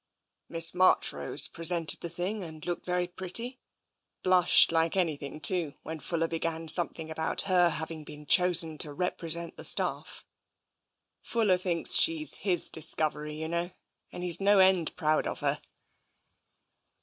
Miss March rose presented the thing, and looked very pretty. Blushed like anything, too, when Fuller began some thing about her having been chosen to represent the staff. Fuller thinks she's his discovery, you know, and he's no end proud of her."